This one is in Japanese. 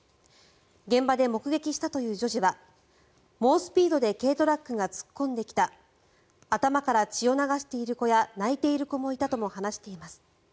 現場で目撃したという女児は猛スピードで軽トラックが突っ込んできた頭から血を流している子や泣いている子もいたと話しています。